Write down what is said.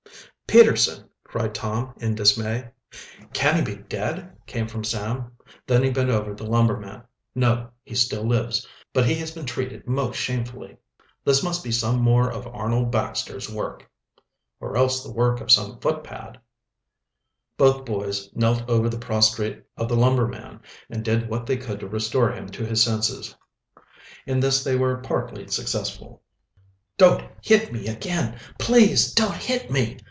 "Peterson!" cried Tom, in dismay. "Can he be dead?" came from Sam. Then he bent over the lumberman. "No, he still lives. But he has been treated most shamefully." "This must be some more of Arnold Baxter's work." "Or else the work of some footpad." Both boys knelt over the prostrate form of the lumberman and did what they could to restore him to his senses. In this they were partly successful. "Don't hit me again! Please don't hit me!"